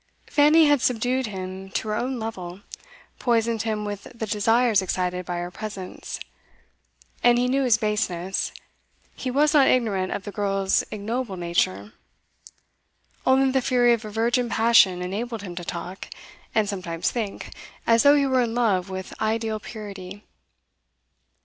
Fanny had subdued him to her own level, poisoned him with the desires excited by her presence. And he knew his baseness; he was not ignorant of the girl's ignoble nature. Only the fury of a virgin passion enabled him to talk, and sometimes think, as though he were in love with ideal purity.